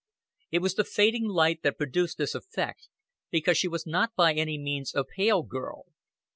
It was the fading light that produced this effect, because she was not by any means a pale girl.